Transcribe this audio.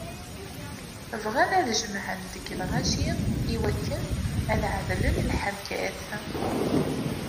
Bɣan ad jemɛen deg lɣaci, iwakken ad ɛedlen lḥerkat.